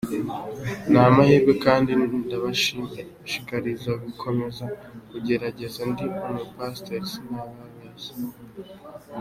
Ni amahirwe kandi ndabashishikariza gukomeza kugerageza ndi umu pasiteri sinababeshya.